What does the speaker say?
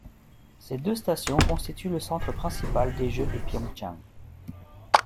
Ces deux stations constituent le centre principal des Jeux de Pyeongchang.